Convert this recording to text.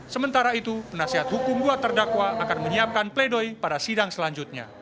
sementara itu penasihat hukum dua terdakwa akan menyiapkan pledoi pada sidang selanjutnya